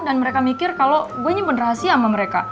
dan mereka mikir kalo gue nyimpun rahasia sama mereka